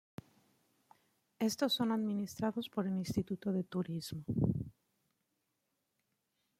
Estos son administrados por el instituto de Turismo.